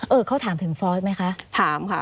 เออเขาถามถึงฟอสไหมคะ